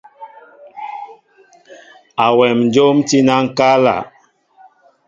Awem njóm tí na ŋkala.